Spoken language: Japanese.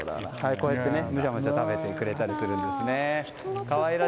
こうやって、むしゃむしゃ食べてくれたりするんですね。